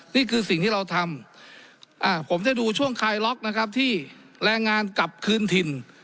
นี่คือสิ่งที่เราทำผมจะดูช่วงคลายล็อกนะครับที่แรงงานกลับคืนถิ่น